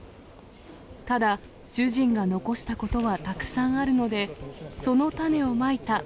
ただ、主人が残したことはたくさんあるので、その種をまいた。